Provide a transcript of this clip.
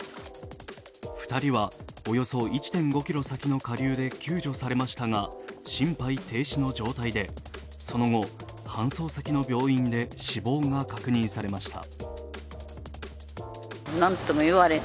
２人はおよそ１．５ｋｍ先の下流で救助されましたが心肺停止の状態でその後、搬送先の病院で死亡が確認されました。